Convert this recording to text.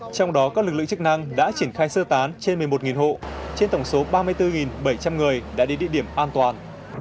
trong đó các lực lượng chức năng đã triển khai sơ tán trên một mươi một hộ trên tổng số ba mươi bốn bảy trăm linh người đã đến địa điểm an toàn